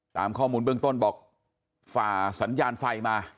ตามข้อมูลเบื้องต้นบอกฝ่าสัญญาณไฟมา